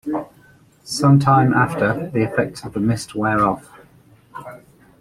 Some time after, the effects of the mist wear off.